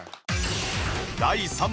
第３問